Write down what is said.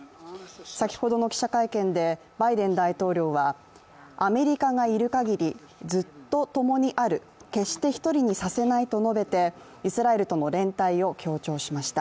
先ほどの記者会見でバイデン大統領はアメリカがいるかぎりずっとともにある決して１人にさせないと述べてイスラエルとの連帯を強調しました。